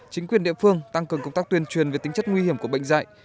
chính quyền địa phương tăng cường công tác tuyên truyền về tính chất nguy hiểm của bệnh dạy